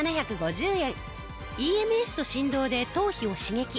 ＥＭＳと振動で頭皮を刺激。